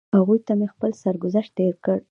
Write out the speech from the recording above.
هغوی ته مې خپل سرګذشت تېر کړ.